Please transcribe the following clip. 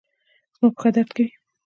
زما پښه درد کوي